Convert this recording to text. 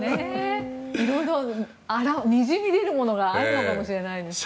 色々にじみ出るものがあるのかもしれないですね。